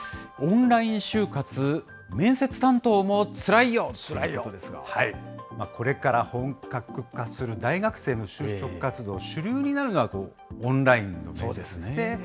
オンライン就活、面接担当もつらこれから本格化する大学生の就職活動、主流になるのはオンラインですね。